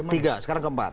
tiga sekarang keempat